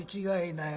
ない。